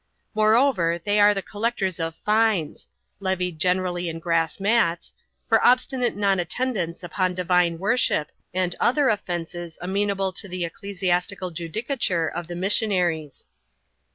Moreover, they are the collectors of fines — levied generallj in grass mats — for obstinate non attendance upon divine wor ship, and other offences amenable to the ecclesiastical judicature of the missionaries.